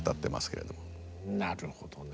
なるほどね。